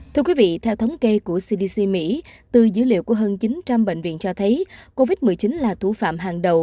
thưa quý vị theo thống kê của cdc mỹ từ dữ liệu của hơn chín trăm linh bệnh viện cho thấy covid một mươi chín là thủ phạm hàng đầu